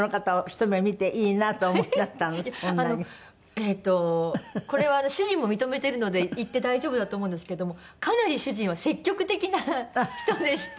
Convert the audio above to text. えっとこれは主人も認めてるので言って大丈夫だと思うんですけどもかなり主人は積極的な人でして。